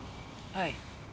はい。